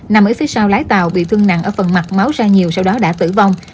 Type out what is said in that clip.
nằm ở phía sau lái tàu bị thương nặng ở phần mặt máu ra nhiều sau đó đã tử vong